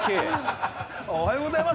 おはようございます！